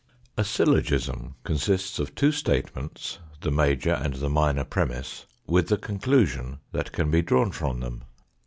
A syllogism consists of two statements, the major and the minor premiss, with the conclusion that can be drawn from them.